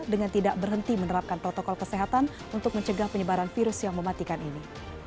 dengan tidak berhenti menerapkan protokol kesehatan untuk mencegah penyebaran virus yang mematikan ini